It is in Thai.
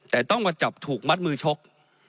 แต่ต้องมาจับถูกมัดมือชก